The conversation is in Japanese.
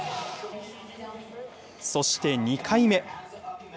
そして２回目。